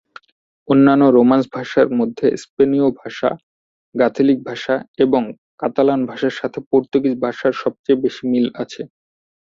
অন্যান্য রোমান্স ভাষার মধ্যে স্পেনীয় ভাষা, গালিথীয় ভাষা এবং কাতালান ভাষার সাথে পর্তুগিজ ভাষার সবচেয়ে বেশি মিল আছে।